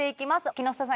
木下さん